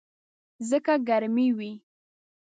ځکه ګرمي وي.